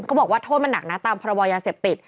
เขาบอกว่าโทษมันหนักหน้าตามภรรยาเสพติ